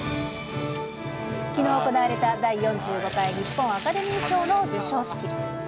きのう行われた第４５回日本アカデミー賞の授賞式。